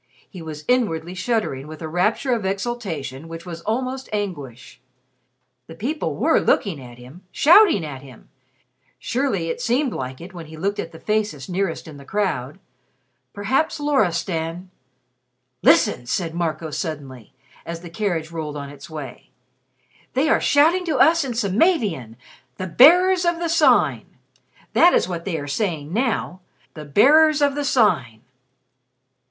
He was inwardly shuddering with a rapture of exultation which was almost anguish. The people were looking at him shouting at him surely it seemed like it when he looked at the faces nearest in the crowd. Perhaps Loristan "Listen!" said Marco suddenly, as the carriage rolled on its way. "They are shouting to us in Samavian, 'The Bearers of the Sign!' That is what they are saying now. 'The Bearers of the Sign.'"